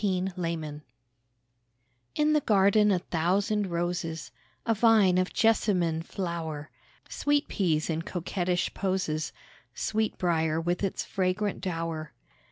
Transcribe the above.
IN A GARDEN In the garden a thousand roses, A vine of jessamine flower, Sweetpeas in coquettish poses, Sweetbrier with its fragrant dower.